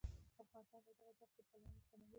افغانستان له دغو دښتو پلوه متنوع دی.